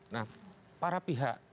nah para pihak